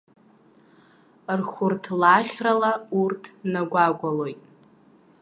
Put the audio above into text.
Рхәырҭлаӷьрала урҭ нагәагәалоит.